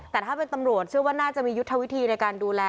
แต่ถ้าเป็นตำรวจเชื่อว่าน่าจะมียุทธวิธีในการดูแล